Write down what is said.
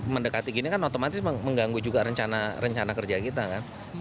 mendekati gini kan otomatis mengganggu juga rencana kerja kita kan